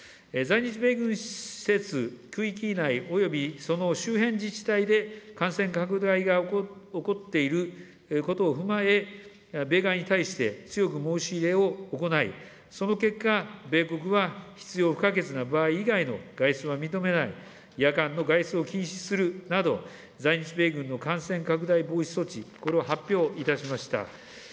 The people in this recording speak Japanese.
在日米軍施設区域内及びその周辺自治体で感染拡大が起こっていることを踏まえ、米側に対して強く申し入れを行い、その結果、米国は必要不可欠な場合以外の外出は認めない、夜間の外出を禁止するなど、在日米軍の感染拡大防止措置、これを発表いたしました。